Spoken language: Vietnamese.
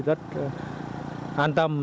rất an tâm